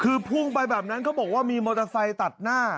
คือพุ่งไปแบบนั้นเขาบอกว่ามีมอเตอร์ไซค์ตัดหน้า